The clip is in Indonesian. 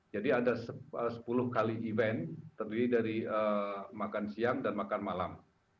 ada sepuluh kali event terdiri dari makan siang dan makan malam